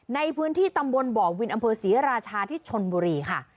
ในพื้นที่ตำบลบ่อวินอำเภอศรีราชาที่ชนบุรีค่ะ